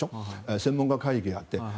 専門家会議があって。